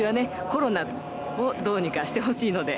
コロナをどうにかしてほしいので。